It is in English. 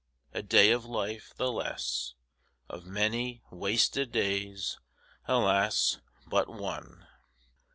A day of life the less; Of many wasted days, alas, but one!